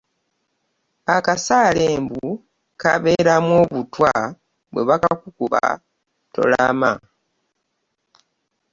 Akasaale mbu kabaamu obutwa bwe bakakukuba tolama.